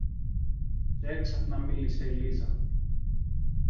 Κι έξαφνα μίλησε η Λίζα: